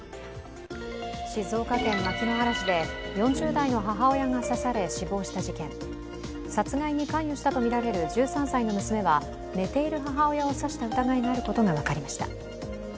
静岡県牧之原市で４０代の母親が刺され、死亡した事件殺害に関与したとみられる１３歳の娘は、寝ている母親を刺した疑いがあることが分かりました。